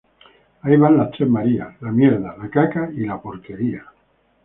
Ahí van las tres Marías; la mierda, la caca y la porquería